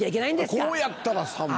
こうやったら３枚。